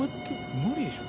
無理でしょう。